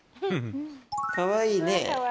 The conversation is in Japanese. かわいいね。